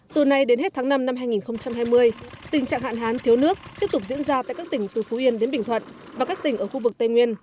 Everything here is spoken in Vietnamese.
từ nay đến hết tháng năm năm hai nghìn hai mươi tình trạng hạn hán thiếu nước tiếp tục diễn ra tại các tỉnh từ phú yên đến bình thuận và các tỉnh ở khu vực tây nguyên